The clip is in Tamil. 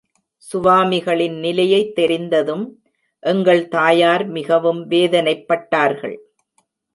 சுவாமிகளின் நிலையைத் தெரிந்ததும் எங்கள் தாயார் மிகவும் வேதனைப்பட்டார்கள்.